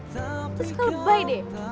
terus kelebay deh